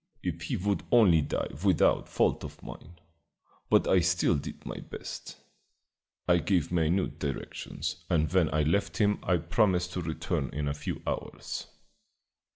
If he would only die without fault of mine but I still did my best. I gave minute directions, and when I left him I promised to return in a few hours.